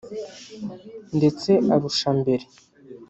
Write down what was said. ndetse arusha mbere;